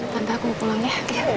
tante aku mau pulang ya